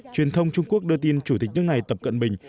truyền thông trung quốc đưa tin chủ tịch nước này tập cận bình